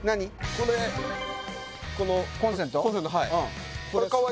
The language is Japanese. これこのコンセント？